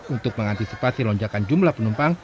untuk mengantisipasi lonjakan jumlah penumpang